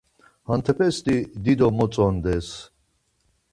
Hentepesti dido motzondes.